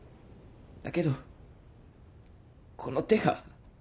だけどこの手が。